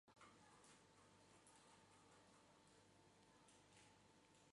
安明县是越南坚江省下辖的一个县。